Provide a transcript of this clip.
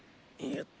よっ。